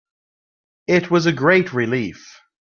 It was a great relief